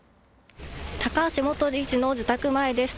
高橋元理事の自宅前です。